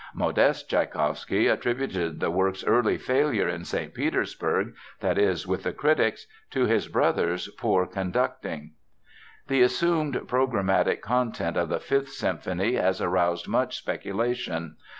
Modeste Tschaikowsky attributed the work's early failure in St. Petersburg (that is, with the critics) to his brother's poor conducting. The assumed programmatic content of the Fifth Symphony has aroused much speculation.